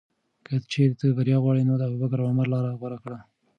که چېرې ته بریا غواړې، نو د ابوبکر او عمر لاره غوره کړه.